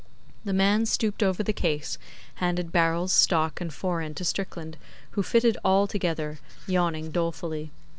The man stooped over the case; handed barrels, stock, and fore end to Strickland, who fitted all together, yawning dolefully.